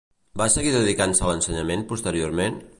Va seguir dedicant-se a l'ensenyament posteriorment?